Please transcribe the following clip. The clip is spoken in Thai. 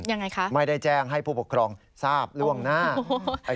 ยังไงคะไม่ได้แจ้งให้ผู้ปกครองทราบล่วงหน้า